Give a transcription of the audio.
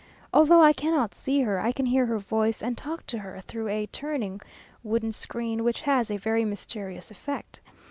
Although I cannot see her, I can hear her voice, and talk to her through a turning wooden screen, which has a very mysterious effect.